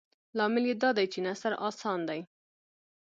لامل یې دادی چې نثر اسان دی.